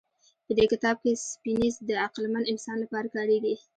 په دې کتاب کې سیپینز د عقلمن انسان لپاره کارېږي.